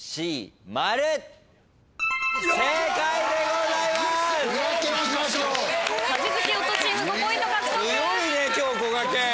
すごいね今日こがけん。